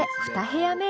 ２部屋目。